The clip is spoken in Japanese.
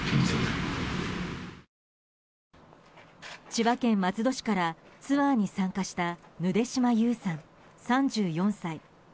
千葉県松戸市からツアーに参加したヌデシマ・ユウさん、３４歳。